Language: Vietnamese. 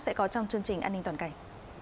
sẽ có trong chương trình an ninh toàn cảnh